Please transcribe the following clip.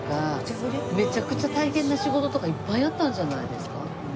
めちゃくちゃ大変な仕事とかいっぱいあったんじゃないですか？